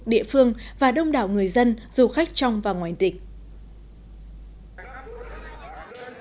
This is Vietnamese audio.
địa phương và đông đảo người dân du khách trong và ngoài địch